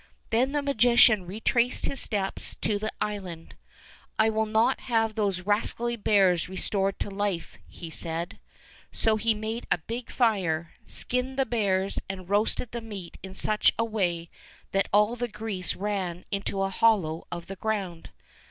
Then the magician retraced his steps to the island. "I will not have those rascally bears restored to life," he said. So he made a big fire, skinned the bears, and roasted the meat in such a way that all the grease ran into a hollow of the ground.